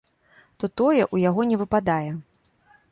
То тое ў яго не выпадае.